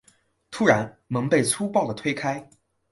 突然门被粗暴的推开